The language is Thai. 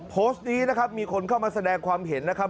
โพสต์นี้นะครับมีคนเข้ามาแสดงความเห็นนะครับ